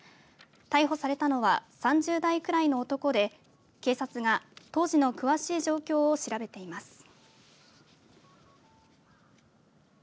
逮捕されたのは３０代くらいの男で警察が当時の詳しい状況を調べています。